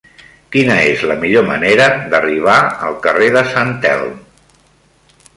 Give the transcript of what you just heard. Quina és la millor manera d'arribar al carrer de Sant Elm?